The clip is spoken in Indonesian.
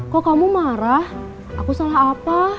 kok kamu marah aku salah apa